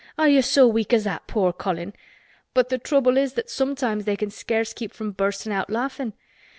Are you so weak as that, poor Colin?'—but th' trouble is that sometimes they can scarce keep from burstin' out laughin'.